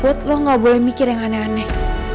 buat lo gak boleh mikir yang aneh aneh